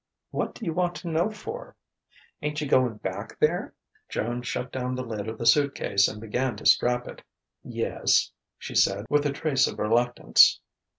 "What do you want to know for?" "Ain't you going back there?" Joan shut down the lid of the suit case and began to strap it. "Yes," she said with a trace of reluctance.